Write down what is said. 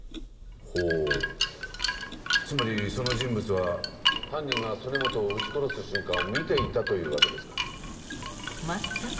ほぉつまりその人物は犯人が曽根本を撃ち殺す瞬間を見ていたというわけですか？